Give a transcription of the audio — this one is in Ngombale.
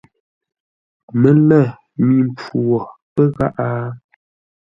Mələ mi mpfu wo pə́ gháʼá?